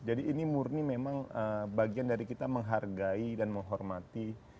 jadi ini murni memang bagian dari kita menghargai dan menghormati